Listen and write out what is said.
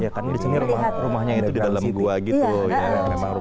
ya karena di sini rumahnya itu di dalam gua gitu ya